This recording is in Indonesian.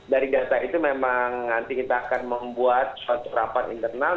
dari data itu memang nanti kita akan membuat suatu rapat internal